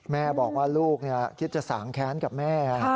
แม่บอกว่าลูกคิดจะสางแค้นกับแม่